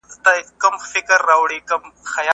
زه کولای سم کتاب وليکم!!!!